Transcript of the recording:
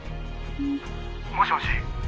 「もしもし？」